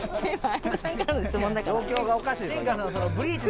状況がおかしい。